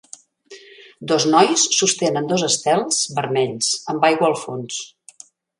Dos nois sostenen dos estels vermells amb aigua al fons.